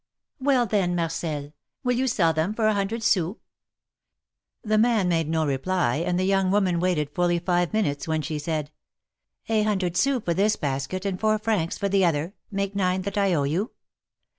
"Well, then, Marcel, will you sell them for a hundred sous?'^ The man made no reply, and the young woman waited fully five minutes, when she said : "A hundred sous for this basket, and four francs for the other, make nine that I owe you